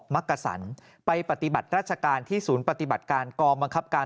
มักกษันไปปฏิบัติราชการที่ศูนย์ปฏิบัติการกองบังคับการ